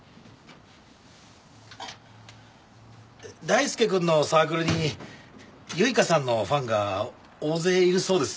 大輔くんのサークルに唯香さんのファンが大勢いるそうですね。